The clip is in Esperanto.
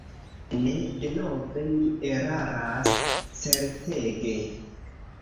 Ne, denove mi eraras, certege.